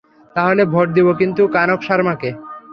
তাহলে, ভোট দিবো শুধু কানক শার্মা কে!